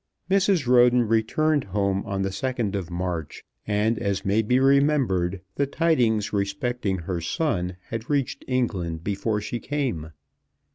Mrs. Roden returned home on the 2nd of March, and, as may be remembered, the tidings respecting her son had reached England before she came.